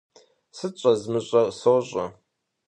Сыт щӏэзмыщӏэр, сощӀэ!